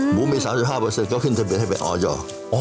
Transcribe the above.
หมูมีสามสิบห้าเปอร์เซ็นต์ก็ขึ้นทะเบียนให้ไปอ่อเยาะ